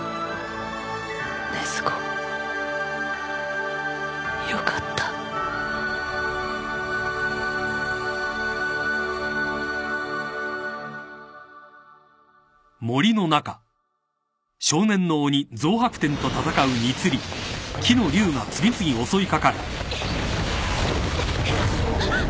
禰豆子よかったあっ！